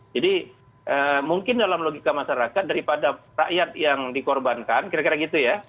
jadi mungkin dalam logika masyarakat daripada rakyat yang dikorbankan kira kira gitu ya